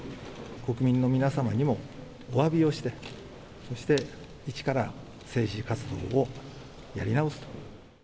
国民の皆様にもおわびをして、そして一から政治活動をやり直すと。